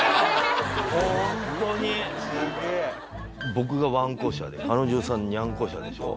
僕がワンコ舎で彼女さんにゃんこ舎でしょ。